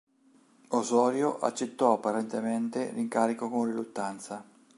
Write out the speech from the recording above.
Osorio accettò apparentemente l'incarico con riluttanza.